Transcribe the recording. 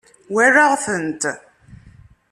Walaɣ-tent.